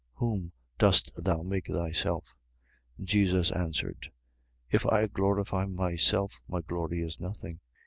Whom dost thou make thyself? 8:54. Jesus answered: If I glorify myself, my glory is nothing.